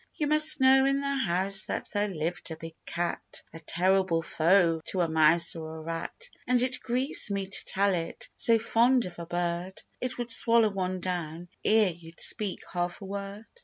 You must know, in the house that there lived a big cat, A terrible foe to a mouse or a rat; And it grieves me to tell it — so fond of a bird — It would swallow one down ere you'd speak half a word.